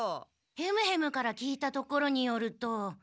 ヘムヘムから聞いたところによると。